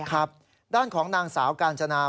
ครับด้านของนางสาวกาญจนา